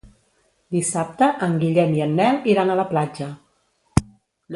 Dissabte en Guillem i en Nel iran a la platja.